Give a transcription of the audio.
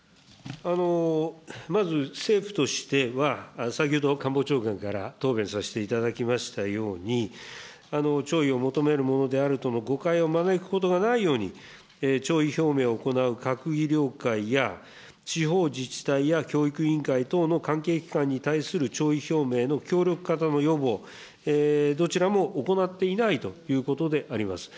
まず、政府としては、先ほど官房長官から答弁させていただきましたように、弔意を求めるものであるとの誤解を招くことがないように、弔意表明を行う閣議了解や、地方自治体や教育委員会等の関係機関に対する弔意表明の協力方の要望、どちらも行っていないということであります。